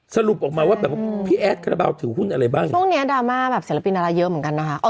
สรุปออกมาว่าแบบพี่แอดการบาวถือหุ้นอะไรบ้างช่วงนี้ดราม่าแบบเศรษฐ์ศิลปินราเยอะเหมือนกันนะฮะ